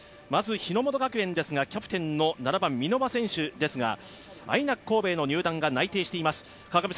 まず、日ノ本学園ですがキャプテンの７番・箕輪選手ですが、ＩＮＡＣ神戸への入団が内定しています。